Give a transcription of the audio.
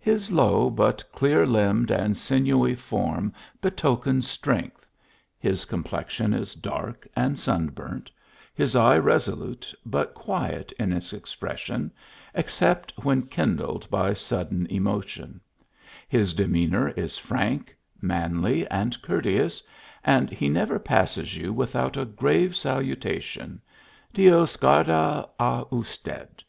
His low but clear limbed and sinewy form betokens strength ; his complexion is dark and sun 1.2 Jt LLJL^I Ji.JuXJ. Durnt ; his eye resolute, but quiet in its expression, except when kindled by sudden emotion ; his de meanour is frank, manly, and courteous, and he never passes you without a grave salutation " Dios guarda a usted